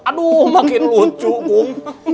aduh makin lucu kum